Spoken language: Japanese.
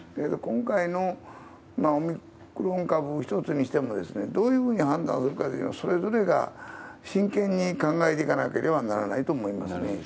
今回のオミクロン株一つにしても、どういうふうに判断するかっていうのを、それぞれが真剣に考えていかなければならないと思いますね。